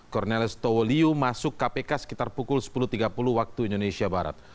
corneles towoliu masuk kpk sekitar pukul sepuluh tiga puluh waktu indonesia barat